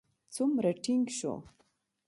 څومره ټينګ شو.